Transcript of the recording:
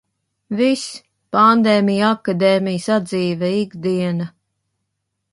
Viss - pandēmija, akadēmija, sadzīve, ikdiena...